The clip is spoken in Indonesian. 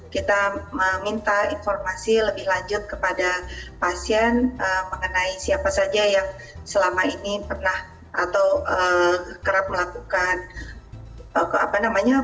kita meminta informasi lebih lanjut kepada pasien mengenai siapa saja yang selama ini pernah atau kerap melakukan apa namanya